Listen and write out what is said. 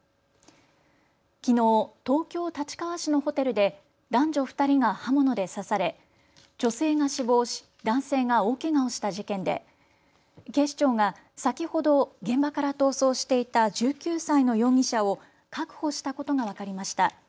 きのう、東京立川市のホテルで男女２人が刃物で刺され女性が死亡し、男性が大けがをした事件で警視庁が先ほど現場から逃走していた１９歳の容疑者を確保したことが分かりました。